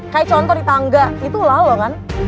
kayak contoh di tangga itu olah lo kan